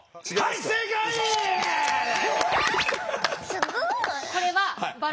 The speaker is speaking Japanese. すごい！